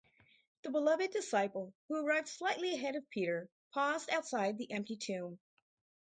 The Beloved Disciple, who arrived slightly ahead of Peter, paused outside the empty tomb.